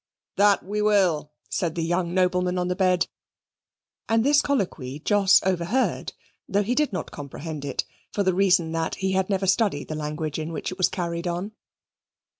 "That we will," said the young nobleman on the bed; and this colloquy Jos overheard, though he did not comprehend it, for the reason that he had never studied the language in which it was carried on.